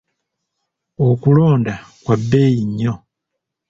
Okulonda kwa bbeeyi nnyo.